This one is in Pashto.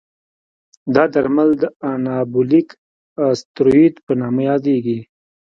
دا درمل د انابولیک استروئید په نامه یادېږي.